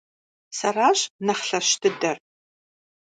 Сэращ нэхъ лъэщ дыдэр!